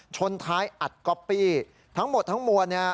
ชนท้ายอัดก๊อปปี้ทั้งหมดทั้งมวลเนี่ย